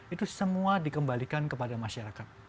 itu semua dikembalikan kepada masyarakat